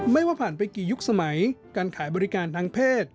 ไม่ว่าผ่านไปกี่ยุคสมัยการขายบริการทางเพศ